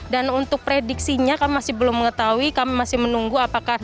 dan untuk prediksinya kami masih belum mengetahui kami masih menunggu